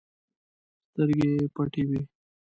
سترګې يې پټې وې.